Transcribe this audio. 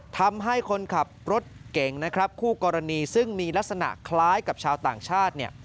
ทำให้คนขับรถเก่งนะครับคู่กรณีซึ่งมีลักษณะคล้ายกับชาวต่างชาติเนี่ย